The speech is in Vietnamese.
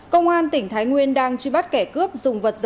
công an tỉnh thái nguyên đang truy bắt kẻ cướp dùng vật dầu dầu